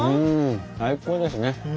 最高ですね。